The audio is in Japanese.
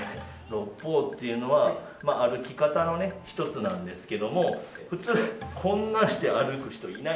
六方っていうのはまあ歩き方のね一つなんですけども普通こんなして歩く人いない。